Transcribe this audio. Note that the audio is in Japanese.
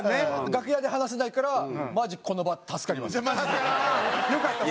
楽屋で話せないからマジこの場よかった。